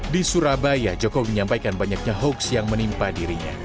di surabaya jokowi menyampaikan banyaknya hoaks yang menimpa dirinya